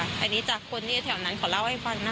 อันนี้จากคนที่แถวนั้นเขาเล่าให้ฟังนะ